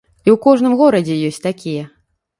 І ў кожным горадзе ёсць такія.